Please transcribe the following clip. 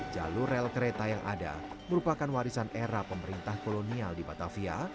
jalur rel kereta yang ada merupakan warisan era pemerintah kolonial di batavia